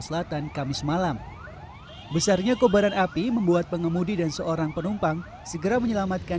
selatan kamis malam besarnya kobaran api membuat pengemudi dan seorang penumpang segera menyelamatkan